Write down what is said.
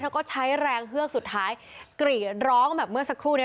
ก็ใช้แรงเฮือกสุดท้ายกรีดร้องแบบเมื่อสักครู่นี้